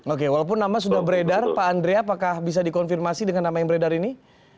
oke walaupun nama sudah beredar pak andre apakah bisa dikonfirmasi dengan nama yang beredar ini